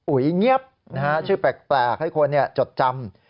เงียบชื่อแปลกให้คนจดจำ